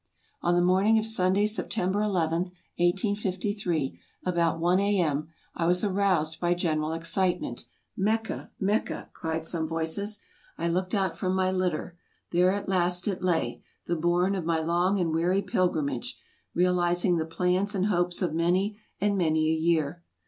On the morning of Sunday, September II, 1853, about one A.M., I was aroused by general excitement "Mecca! Mecca!" cried some voices. I looked out from my litter. There at last it lay, the bourne of my long and weary pilgrimage, realizing the plans and hopes of many and many a year.